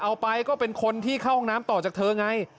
เอาไปก็เป็นคนที่เข้าห้องน้ำต่อจากเธอไง